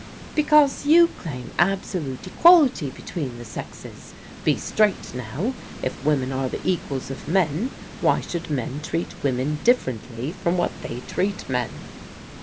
"Because you claim absolute equality between the sexes. Be straight now. If women are the equals of men, why should men treat women (Kfferently from what they treat men?"